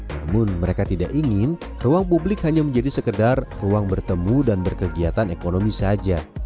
namun mereka tidak ingin ruang publik hanya menjadi sekedar ruang bertemu dan berkegiatan ekonomi saja